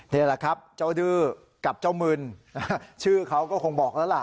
นี่แหละครับเจ้าดื้อกับเจ้ามึนชื่อเขาก็คงบอกแล้วล่ะ